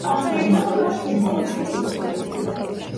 აღმოსავლეთით ომანის მთების ტოტებია.